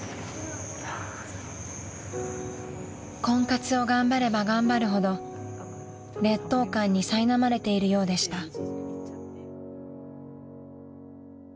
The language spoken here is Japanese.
［婚活を頑張れば頑張るほど劣等感にさいなまれているようでした］